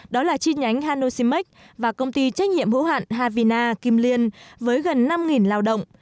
đó là chi nhánh hanoshima và công ty trách nhiệm hữu hạn havina kim liên với gần năm lao động